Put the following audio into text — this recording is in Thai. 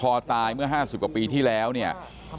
พอตายเมื่อ๕๐กว่าปีที่แล้วเนี่ย